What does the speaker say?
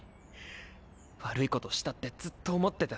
悪いことしたってずっと思っててさ。